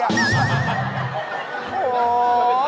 โอ้โห